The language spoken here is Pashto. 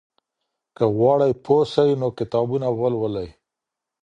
که غواړئ پوه سئ نو کتابونه ولولئ.